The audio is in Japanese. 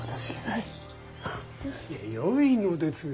いやよいのです。